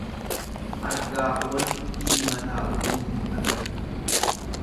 Argaa ooltu iji mataa ofii hin agartu.